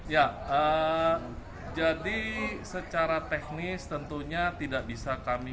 ya jadi secara teknis tentunya tidak bisa kami